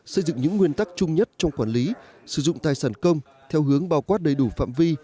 xây dựng những nguyên tắc chung nhất trong quản lý sử dụng tài sản công theo hướng bao quát đầy đủ phạm vi